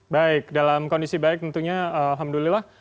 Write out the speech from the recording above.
baik dalam kondisi baik tentunya alhamdulillah